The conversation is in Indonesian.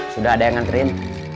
sudah ada yang nganterin